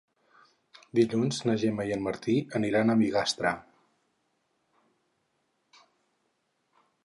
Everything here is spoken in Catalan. Dilluns na Gemma i en Martí aniran a Bigastre.